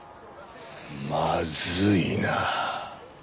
まずいな。